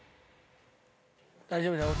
大丈夫だよ。